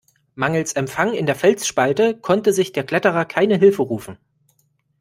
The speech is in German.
Mangels Empfang in der Felsspalte konnte sich der Kletterer keine Hilfe rufen.